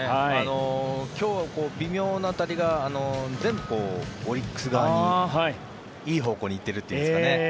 今日、微妙な当たりが全部オリックス側にいい方向に行っているというんですかね。